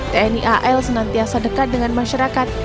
tni al senantiasa dekat dengan masyarakat